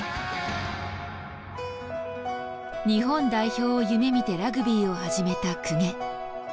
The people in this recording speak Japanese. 日本代表を夢みてラグビーを始めた公家。